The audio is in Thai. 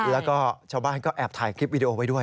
แล้วก็ชาวบ้านก็แอบถ่ายคลิปวิดีโอไว้ด้วย